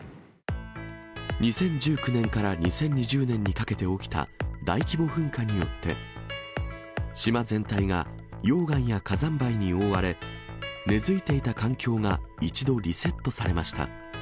２０１９年から２０２０年にかけて起きた大規模噴火によって、島全体が溶岩や火山灰に覆われ、根づいていた環境が一度リセットされました。